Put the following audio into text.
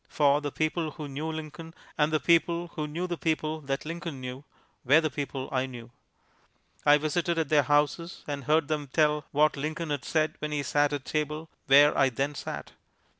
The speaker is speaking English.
For the people who knew Lincoln, and the people who knew the people that Lincoln knew, were the people I knew. I visited at their houses and heard them tell what Lincoln had said when he sat at table where I then sat.